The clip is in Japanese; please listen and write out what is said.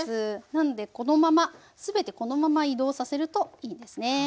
なのでこのまま全てこのまま移動させるといいですね。